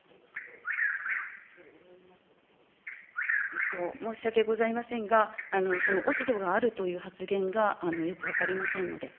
えっと、申し訳ございませんが、その落ち度があるという発言がよく分かりませんので。